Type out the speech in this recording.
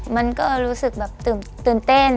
มันก็รู้สึกแบบตื่นเต้น